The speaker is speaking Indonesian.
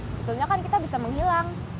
sebetulnya kan kita bisa menghilang